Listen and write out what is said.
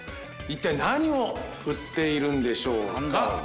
一体何を売っているんでしょうか？